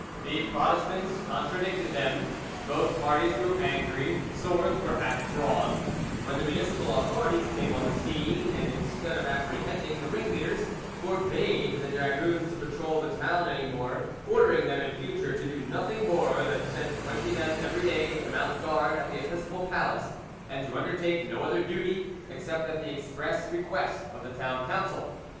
The Protestants contradicted them, both parties grew angry, swords were half drawn, when the municipal authorities came on the scene, and instead of apprehending the ringleaders, forbade the dragoons to patrol the town any more, ordering them in future to do nothing more than send twenty men every day to mount guard at the episcopal palace and to undertake no other duty except at the express request of the Town Council.